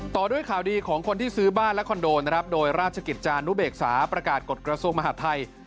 ต่อด้วยข่าวดีของคนที่ซื้อบ้านและคอนโดนะครับโดยราชกิจจานุเบกษาประกาศกฎกระทรวงมหาดไทย